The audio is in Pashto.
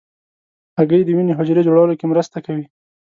هګۍ د وینې حجرو جوړولو کې مرسته کوي.